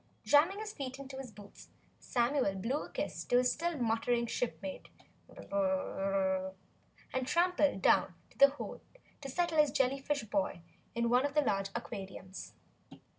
Jamming his feet into his boots, Samuel blew a kiss to his still muttering shipmate and tramped down to the hold to settle his jellyfish boy in one of the large aquariums.